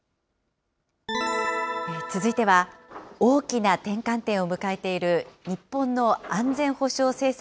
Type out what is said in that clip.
続いては、大きな転換点を迎えている日本の安全保障政策